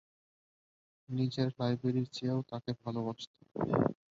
নিজের লাইব্রেরির চেয়েও তাকে ভালোবাসতেন।